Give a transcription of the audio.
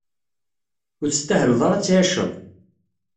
Ur testahleḍ ara ad tɛiceḍ.